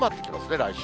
来週。